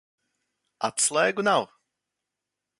Atslēgu nav.